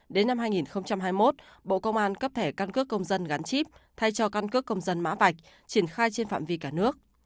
đến năm hai nghìn hai mươi một bộ công an cấp thẻ căn cước công dân gắn chip thay cho căn cước công dân mã vạch triển khai trên phạm vi cả nước